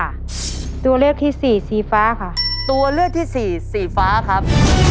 ตัวเลือกที่สี่สีฟ้าค่ะตัวเลือกที่สี่สีฟ้าครับ